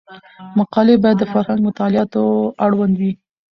مقالې باید د فرهنګي مطالعاتو اړوند وي.